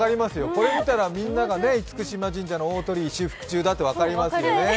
これを見たら厳島神社の大鳥居修復中だって分かりますよね。